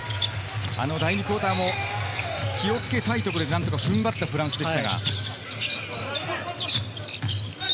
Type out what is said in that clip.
第２クオーターも、気をつけたいところで何とか踏ん張ったフランスです。